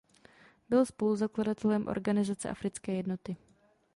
Byl spoluzakladatelem Organizace africké jednoty.